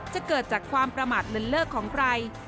จะเกิดจากความประมาทเลินเลิกของใคร